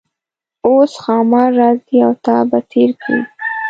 اوس ښامار راځي او تا به تیر کړي.